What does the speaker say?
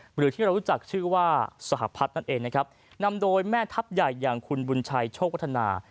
หรือที่เรารู้จักชื่อว่าสหพัฒน์นั่นเองนะครับนำโดยแม่ทัพใหญ่อย่างคุณบุญชัยโชควัฒนา